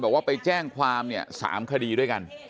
บอกว่าไปแจ้งความเนี่ย๓คดีด้วยกัน